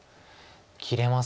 切れます。